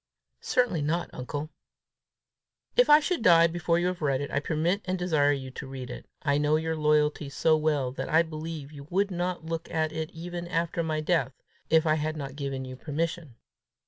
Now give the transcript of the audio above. "Certainly not, uncle." "If I should die before you have read it, I permit and desire you to read it. I know your loyalty so well, that I believe you would not look at it even after my death, if I had not given you permission.